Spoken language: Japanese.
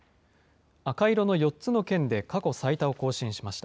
赤色の４つの県で過去最多を更新しました。